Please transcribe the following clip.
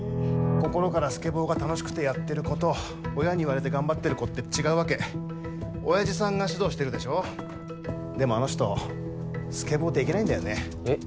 心からスケボーが楽しくてやってる子と親に言われて頑張ってる子って違うわけ親父さんが指導してるでしょでもあの人スケボーできないんだよねえっ？